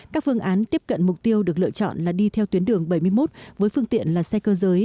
các phương án tiếp cận mục tiêu được lựa chọn là đi theo tuyến đường bảy mươi một với phương tiện là xe cơ giới